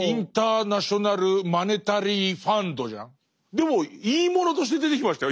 でもいいものとして出てきましたよ。